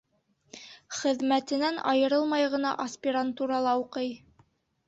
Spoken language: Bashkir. Хеҙмәтенән айырылмай ғына аспирантурала уҡый.